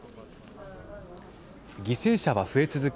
犠牲者は増え続け